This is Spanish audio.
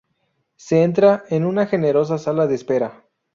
Se entra en una generosa sala de espera.